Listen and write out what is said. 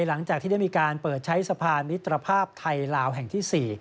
หลังจากที่ได้มีการเปิดใช้สะพานมิตรภาพไทยลาวแห่งที่๔